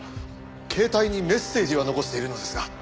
携帯にメッセージは残しているのですが。